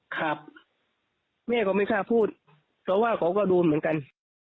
ครับแม่ก็ไม่กล้าพูดเพราะว่าเขาก็โดนเหมือนกัน